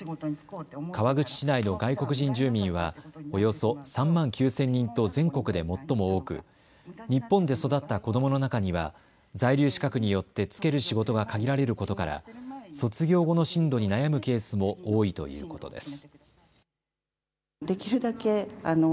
川口市内の外国人住民はおよそ３万９０００人と全国で最も多く日本で育った子どもの中には在留資格によって就ける仕事が限られることから卒業後の進路に悩むケースも多いということです。